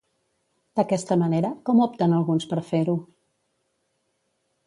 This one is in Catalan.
D'aquesta manera, com opten alguns per fer-ho?